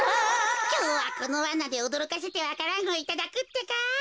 きょうはこのワナでおどろかせてわか蘭をいただくってか。